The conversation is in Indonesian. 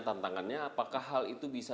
tantangannya apakah hal itu bisa